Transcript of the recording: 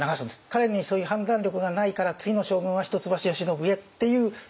彼にそういう判断力がないから次の将軍は一橋慶喜へっていうための。